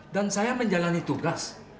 dan saya menjalani tugas